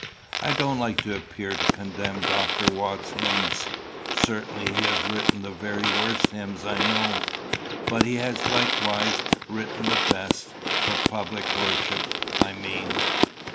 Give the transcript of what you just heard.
I don't like to appear to condemn Dr. Watts's hymns. Certainly he has written the very worst hymns I know; but he has likewise written the best for public worship, I mean."